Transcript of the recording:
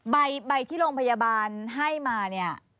ใบที่โรงพยาบาลให้มาเนี่ย